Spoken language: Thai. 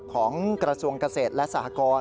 ของกระทรวงเกษตรและสหกร